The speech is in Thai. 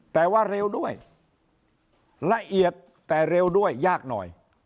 แต่ว่าเร็วด้วยละเอียดแต่เร็วด้วยยากหน่อย